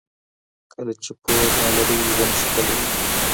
کله چې پور نه لرئ ژوند ښکلی وي.